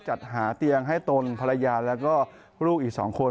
จัดหาเตียงให้ตนภรรยาแล้วก็ลูกอีก๒คน